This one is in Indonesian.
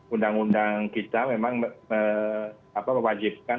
undang undang kita memang mewajibkan